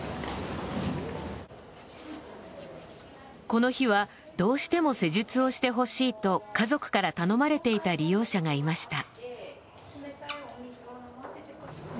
この日はどうしても施術をしてほしいと家族から頼まれていた利用者がいました。